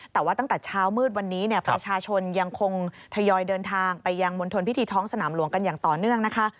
แต่ว่าตั้งแต่เช้ามืดวันนี้เนี่ยประชาชนยังคงทยอยเดินทางไปยังมณฑลพิธีท้องสนามหลวงกันอย่างต่อเนื่องนะคะ